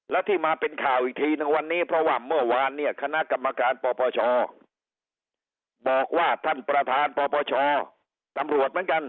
แล้วที่มาเป็นข่าวอีกทีนึงวันนี้เพราะว่าเมื่อวานเนี่ยคณะกรรมการปปชบอกว่าท่านประธานปปชตำรวจเหมือนกัน